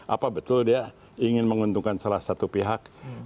apa betul dia ingin menguntungkan salah satu pihak